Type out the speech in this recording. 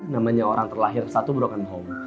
namanya orang terlahir satu broken home